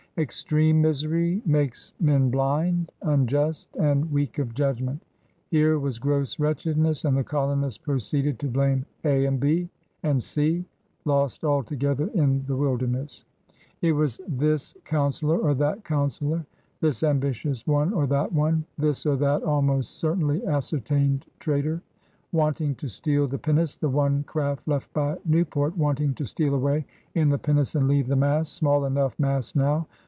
...' Extreme misery makes men blind, unjust, and weak of judgment. Here was gross wretchedness, and the colonists proceeded to blame A and B and C, lost all together in the wilderness. It was this * Perpy's Ditcourse. 88 PIONEERS OP THE OLD SOUTH councflor or that councilor, this ambitious one or that one, this or that ahnost certainly ascertained traitor! Wanting to steal the pinnace, the one craft left by Newport, wanting to steal away in the pinnace and leave the mass — small enough mass now!